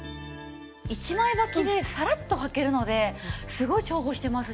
一枚ばきでサラッとはけるのですごい重宝してます。